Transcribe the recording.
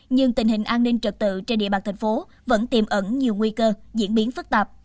nhưng tình hình an ninh trật tự trên địa bàn thành phố vẫn tiềm ẩn nhiều nguy cơ diễn biến phức tạp